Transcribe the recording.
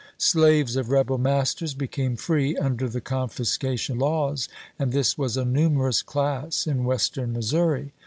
Slaves of rebel masters became free under the confiscation laws, and this was a numerous class in Western Missouri.